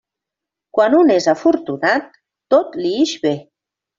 Quan un és afortunat tot li ix bé.